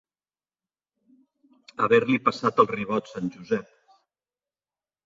Haver-li passat el ribot sant Josep.